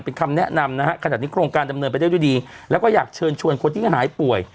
เป็นคำแนะนำนะฮะขนาดนี้โครงการดำเนินไปได้ด้วยดีแล้วก็อยากเชิญชวนคนที่หายป่วย